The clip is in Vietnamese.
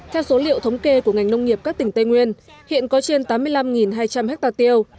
theo số liệu thống kê của ngành nông nghiệp các tỉnh tây nguyên hiện có trên tám mươi năm hai trăm linh ha tiêu